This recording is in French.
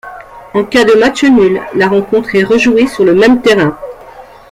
En cas de match nul, la rencontre est rejoué sur le même terrain.